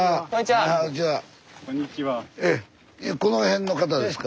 いやこの辺の方ですか？